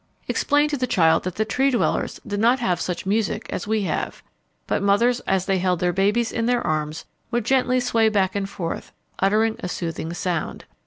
Explain to the child that the Tree dwellers did not have such music as we have. But mothers as they held their babies in their arms would gently sway back and forth, uttering a soothing sound.